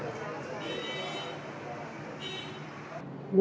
đối với sức khỏe